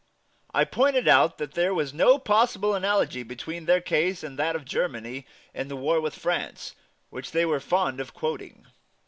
I pointed out that there was no possible analogy between their case and that of Germany in the war with France, which they were fond of quoting.